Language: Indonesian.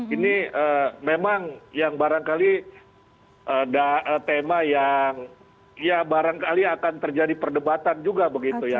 ini memang yang barangkali ada tema yang ya barangkali akan terjadi perdebatan juga begitu ya